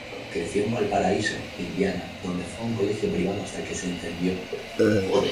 Creció en Valparaíso, Indiana, donde fue a un colegio privado hasta que se incendió.